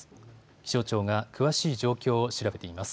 気象庁が詳しい状況を調べています。